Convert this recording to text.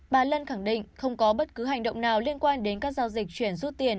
bà lân khẳng định không có bất cứ hành động nào liên quan đến các giao dịch chuyển rút tiền